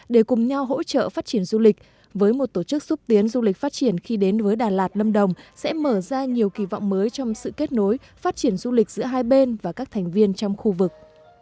để cùng nhau hỗ trợ phát triển du lịch với một tổ chức xúc tiến du lịch phát triển khi đến với đà lạt lâm đồng sẽ mở ra nhiều kỳ vọng mới trong sự kết nối phát triển du lịch giữa hai bên và các thành viên trong khu vực